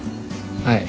はい。